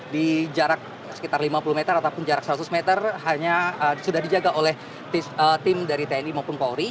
di jarak sekitar lima puluh meter ataupun jarak seratus meter hanya sudah dijaga oleh tim dari tni maupun polri